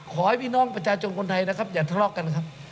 ขอให้พี่น้องประชาชนคนไทยนะครับอย่าทะเลาะกันครับ